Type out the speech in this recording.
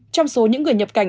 trong số những người nhập cảnh